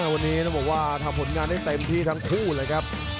วันนี้ต้องบอกว่าทำผลงานได้เต็มที่ทั้งคู่เลยครับ